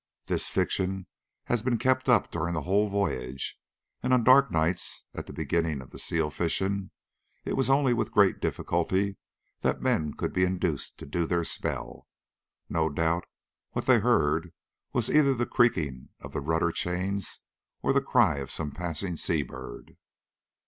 This fiction has been kept up during the whole voyage, and on dark nights at the beginning of the seal fishing it was only with great difficulty that men could be induced to do their spell. No doubt what they heard was either the creaking of the rudder chains, or the cry of some passing sea bird.